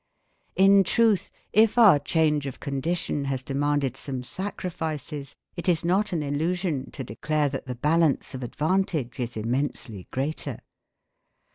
In truth, if our change of condition has demanded some sacrifices, it is not an illusion to declare that the balance of advantage is immensely greater.